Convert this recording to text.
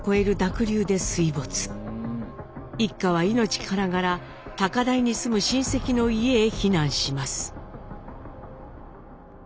一家は命からがら高台に住む親戚の家へ避難します。